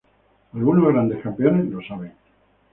Algunos grandes campeones lo saben.